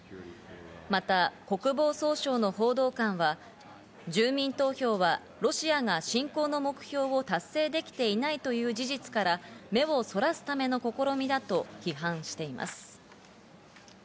また国防総省の報道官は住民投票はロシアが侵攻の目標を達成できていないという事実から、目をそらすための試みだと批判しています。